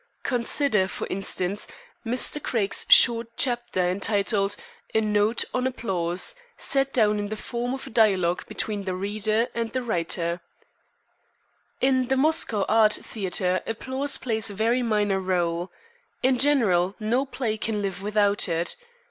Consider, for instance, Mr. Craig's short chapter entitled "A Note on Applause" set down in the form of a dialogue between the Reader and the Writer: "In the Moscow Art Theatre applause plays a very minor role. In general no play can live without it.